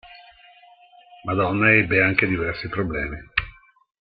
Madonna ebbe anche diversi problemi.